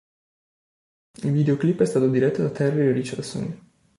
Il videoclip è stato diretto da Terry Richardson.